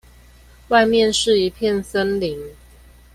外面是一片森林